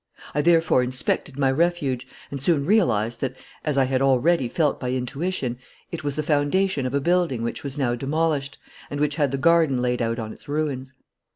I therefore inspected my refuge and soon realized that, as I had already felt by intuition, it was the foundation of a building which was now demolished and which had the garden laid out on its ruins.